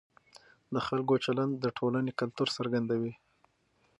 د خلکو چلند د ټولنې کلتور څرګندوي.